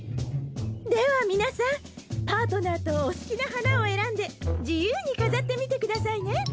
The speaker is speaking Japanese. では皆さんパートナーとお好きな花を選んで自由に飾ってみてくださいね！